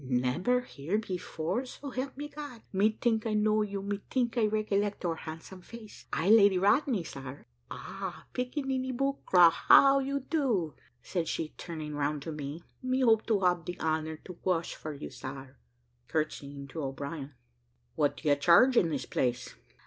"Nebber here before, so help me Gad! me tink I know you me tink I recollect your handsome face I Lady Rodney, sar. Ah, piccaninny buccra! how you do?" said she turning round to me. "Me hope to hab the honour to wash for you, sar," curtsying to O'Brien. "What do you charge in this place?"